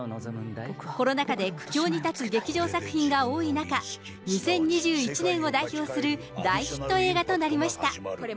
コロナ禍で苦境に立つ劇場作品が多い中、２０２１年を代表する大ヒット映画となりました。